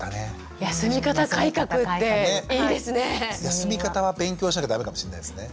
休み方は勉強しなきゃダメかもしれないですね